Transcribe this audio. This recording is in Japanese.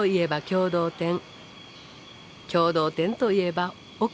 共同店といえば奥。